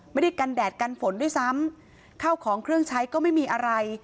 ไม่ได้กันแดดกันฝนด้วยซ้ำข้าวของเครื่องใช้ก็ไม่มีอะไร